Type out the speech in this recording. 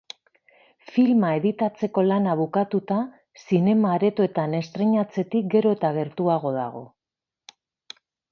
Filma editatzeko lana bukatuta, zinema-aretoetan estreinatzetik gero eta gertuago dago.